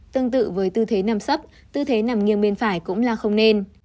tương tự với tư thế năm sấp tư thế nằm nghiêng bên phải cũng là không nên